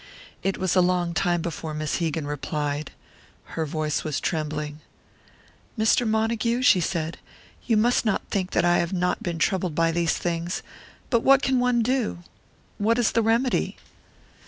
It was a long time before Miss Hegan replied. Her voice was trembling. "Mr. Montague," she said, "you must not think that I have not been troubled by these things. But what can one do? What is the remedy?"